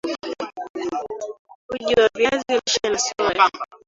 Uji wa viazi lishe na soya